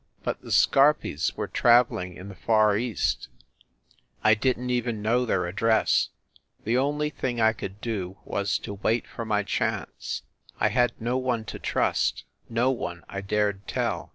But the Scarpis were traveling in the Far East; I didn t THE SUITE AT THE PLAZA 137 even know their address. The only thing I could do was to wait for my chance. I had no one to trust, no one I dared tell.